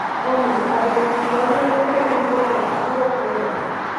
hombre, a ver, igual de negro un poco oscuro, pero...